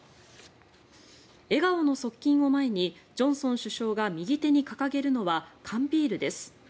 笑顔の側近を前にジョンソン首相が右手に掲げるのは缶ビールです。